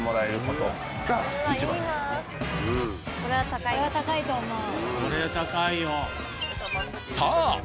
これは高いと思う。